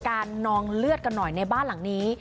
นองเลือดกันหน่อยในบ้านหลังนี้